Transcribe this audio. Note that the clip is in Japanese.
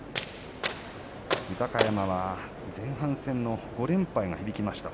豊山は前半戦の５連敗が響きました。